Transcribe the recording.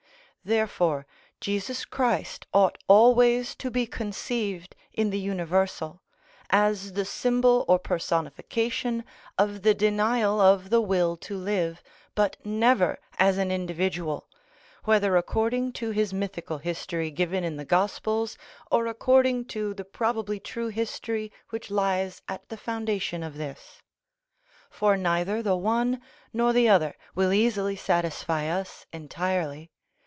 Therefore Jesus Christ ought always to be conceived in the universal, as the symbol or personification of the denial of the will to live, but never as an individual, whether according to his mythical history given in the Gospels, or according to the probably true history which lies at the foundation of this. For neither the one nor the other will easily satisfy us entirely.